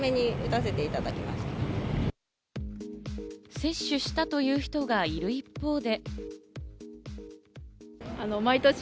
接種したという人がいる一方で。